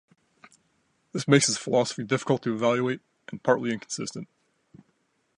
This makes his philosophy difficult to evaluate and partly inconsistent.